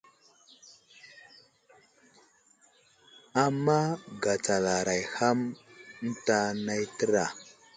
Ama gatsalaray ham eŋta nay təra.